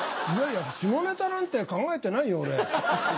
いやいや、下ネタなんて考えてないよ、俺。